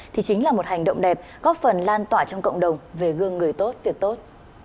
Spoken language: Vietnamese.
thì chính là một hành động đẹp góp phần lan tỏa trong cộng đồng về gương người tốt việc tốt